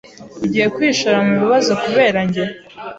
Ugiye kwishora mubibazo kubera njye?